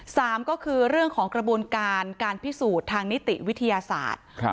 สามก็คือเรื่องของกระบวนการการพิสูจน์ทางนิติวิทยาศาสตร์